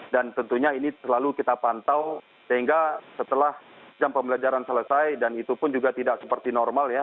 dan tentunya ini selalu kita pantau sehingga setelah jam pembelajaran selesai dan itu pun juga tidak seperti normal ya